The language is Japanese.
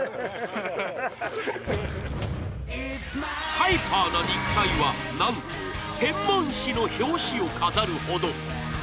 ハイパーな肉体はなんと専門誌の表紙を飾るほど。